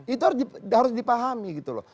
itu harus dipahami gitu loh